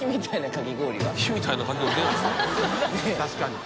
確かに。